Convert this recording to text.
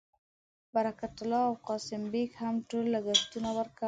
برکت الله او قاسم بېګ هم ټول لګښتونه ورکول.